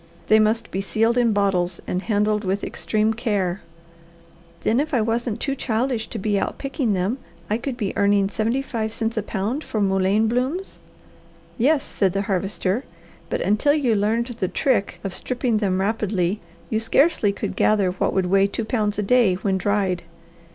They must be sealed in bottles and handled with extreme care." "Then if I wasn't too childish to be out picking them, I could be earning seventy five cents a pound for mullein blooms?" "Yes," said the Harvester, "but until you learned the trick of stripping them rapidly you scarcely could gather what would weigh two pounds a day, when dried.